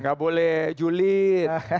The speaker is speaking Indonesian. gak boleh julid